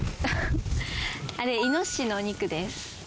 あれイノシシのお肉です。